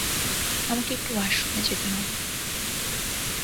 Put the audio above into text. আমাকে একটু ওয়াশরুমে যেতে হবে।